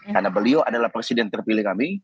karena beliau adalah presiden terpilih kami